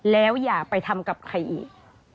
แล้วอย่าไปทำกับใครอีก